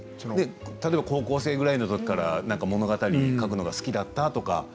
例えば高校生くらいから物語を書くのが好きだったとか。